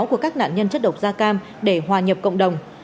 của các nạn nhân chất độc da cam để hòa nhập cộng đồng